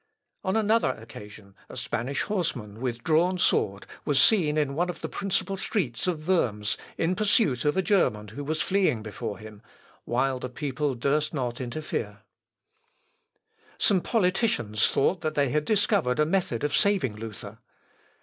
On another occasion, a Spanish horseman, with drawn sword, was seen in one of the principal streets of Worms in pursuit of a German who was fleeing before him, while the people durst not interfere. Kappens Ref. Urkunden ii, p. 448. Some politicians thought they had discovered a method of saving Luther.